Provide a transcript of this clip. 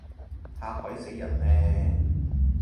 嚇鬼死人咩？